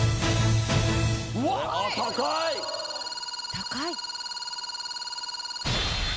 高い！